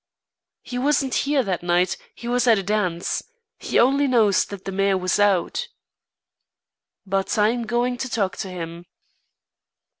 "He wasn't here that night; he was at a dance. He only knows that the mare was out." "But I'm going to talk to him."